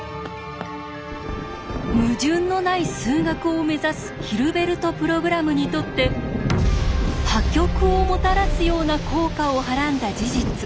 矛盾のない数学を目指すヒルベルト・プログラムにとって破局をもたらすような効果をはらんだ事実。